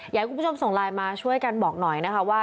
อยากให้คุณผู้ชมส่งไลน์มาช่วยกันบอกหน่อยนะคะว่า